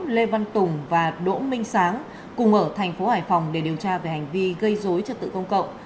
lê văn tùng và đỗ minh sáng cùng ở thành phố hải phòng để điều tra về hành vi gây dối trật tự công cộng